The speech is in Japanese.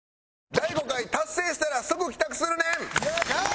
第５回達成したら即帰宅するねん！